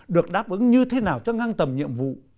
được đáp ứng như thế nào cho ngang tầm nhiệm vụ